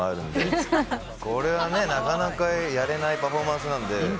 これはなかなかやれないパフォーマンスなんで。